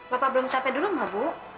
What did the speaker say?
bapak belum sampai dulu ma bu